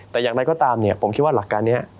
แต่อย่างไรก็ตามผมคิดว่าหลักการนี้